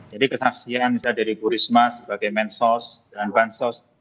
jadi kesaksian dari bu risma sebagai mensos dan bansos